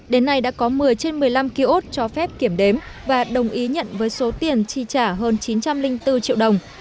đến nay đã có một mươi trên một mươi năm ký ốt cho phép kiểm đếm và đồng ý nhận với số tiền chi trả hơn chín trăm linh bốn triệu đồng